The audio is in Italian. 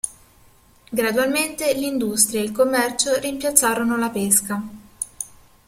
Gradualmente l'industria e il commercio rimpiazzarono la pesca.